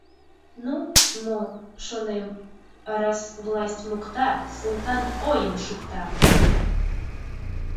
Ну, мо, шонем, раз власть мокта, Султан ойым шукта!